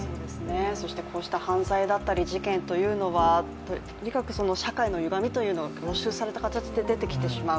そしてこうした犯罪だったり事件というのはとにかく社会のゆがみというのが出てきてしまう。